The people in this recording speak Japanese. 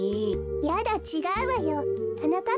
やだちがうわよ。はなかっ